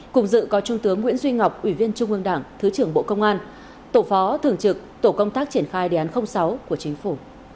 cùng dự có trung tướng nguyễn duy ngọc ủy viên trung ương đảng thứ trưởng bộ công an tổ phó thường trực tổ công tác triển khai đề án sáu của chính phủ